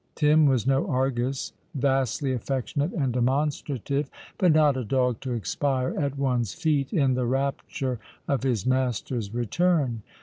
Tim was no Argus; vastly affectionate and demonstrative, but not a dog to expire at one's feet, in the rapture of his master's return.